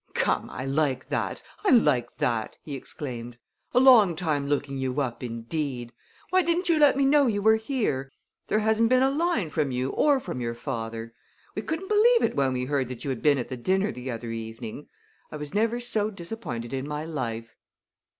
"Come, I like that! I like that!" he exclaimed. "A long time looking you up indeed! Why didn't you let me know you were here? There hasn't been a line from you or from your father. We couldn't believe it when we heard that you had been at the dinner the other evening. I was never so disappointed in my life!"